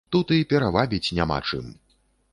Тут і перавабіць няма чым.